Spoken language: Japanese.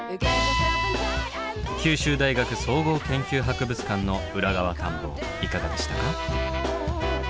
九州大学総合研究博物館の裏側探訪いかがでしたか？